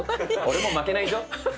俺も負けないじょ！